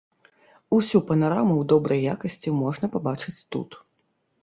Усю панараму ў добрай якасці можна пабачыць тут.